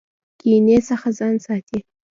کینې څخه ځان ساتئ